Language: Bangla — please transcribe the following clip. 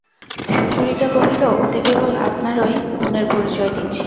সুচরিতা কহিল, ওতে কেবল আপনারই গুণের পরিচয় দিচ্ছেন।